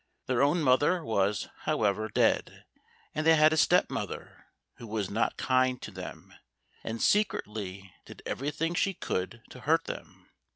Their own mother was, however, dead, and they had a step mother, who was not kind to them, and secretly did everything she could to hurt them.